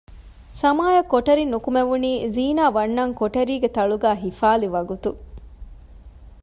ސަމާއަށް ކޮޓަރިން ނުކުމެވުނީ ޒީނާ ވަންނަން ކޮޓަރީގެ ތަޅުގައި ހިފާލި ވަގުތު